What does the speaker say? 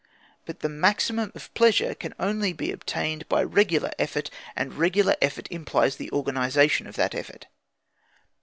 But the maximum of pleasure can only be obtained by regular effort, and regular effort implies the organisation of that effort.